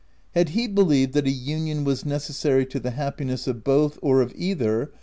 Had he believed that a union was necessary to the happiness of both, or of either, OF WILDFELL HALL.